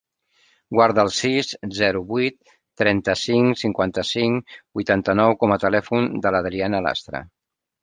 Guarda el sis, zero, vuit, trenta-cinc, cinquanta-cinc, vuitanta-nou com a telèfon de l'Adriana Lastra.